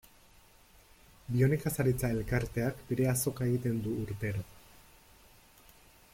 Bionekazaritza elkarteak bere azoka egiten du urtero.